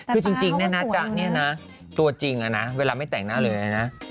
คือจริงน่ะนะจ๊ะตัวจริงนะเวลาไม่แต่งหน้าเลยนะ